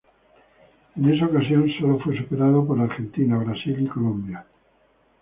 En esa ocasión, solo fue superado por Argentina, Brasil y Colombia.